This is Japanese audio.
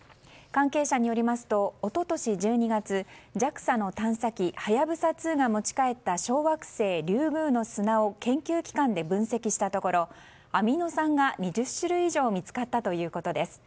関係者によりますと一昨年１２月ＪＡＸＡの探査機「はやぶさ２」が持ち帰った小惑星リュウグウの砂を研究機関で分析したところアミノ酸が２０種類以上見つかったということです。